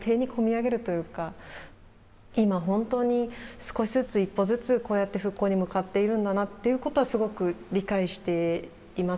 今本当に少しずつ１歩ずつこうやって復興に向かっているんだなっていうことはすごく理解していますし。